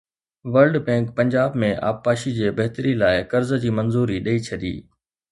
world Bank Punjab ۾ آبپاشي جي بهتري لاءِ قرض جي منظوري ڏئي ڇڏي آهي